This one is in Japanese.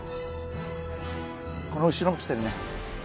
この後ろも来てるね！